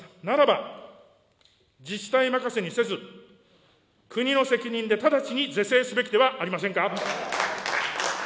ならば、自治体任せにせず、国の責任で直ちに是正すべきではありませんか。